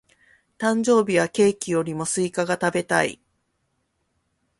誕生日はケーキよりもスイカが食べたい。